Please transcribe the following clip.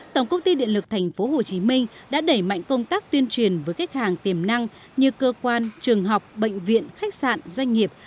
tổng công ty điện lực tp hcm đã đẩy mạnh công tác tuyên truyền với khách hàng tiềm năng như cơ quan trường học bệnh viện khách sạn doanh nghiệp